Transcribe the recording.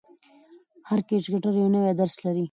هر کرکټر یو نوی درس لري.